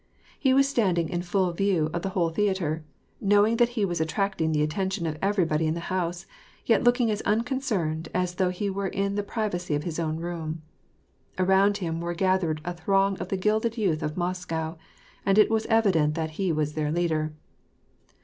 He was standing in full view of the whole theatre, knowing that he was attracting the attention of every body in the house, yet looking as unconcerned as though he were in the privacy of his own room. Around him were gathered a throng of the gilded youth of Moscow, and it was evident that he was their leader.